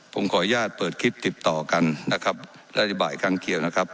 ผมขออนุญาตเปิดคลิปติดต่อกันนะครับนโยบายข้างเคียงนะครับ